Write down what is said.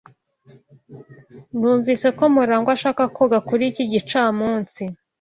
Numvise ko Murangwa ashaka koga kuri iki gicamunsi.